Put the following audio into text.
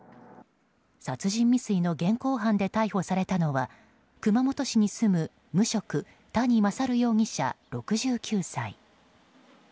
殺人未遂の現行犯で逮捕されたのは熊本市に住む無職、谷勝容疑者、６９歳。